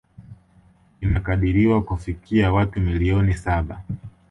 Linakadiriwa kufikia watu milioni saba